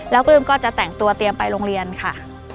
แล้วปลื้มก็จะแต่งตัวเตรียมไปโรงเรียนค่ะ